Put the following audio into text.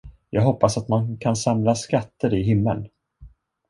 Jag hoppas, att man kan samla skatter i himmeln.